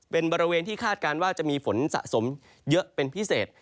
เป็นบริเวณที่คาดการณ์ว่าจะมีฝนสะสมเยอะเป็นพิเศษ